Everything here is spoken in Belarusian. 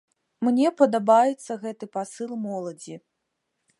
Мне падабаецца гэты пасыл моладзі.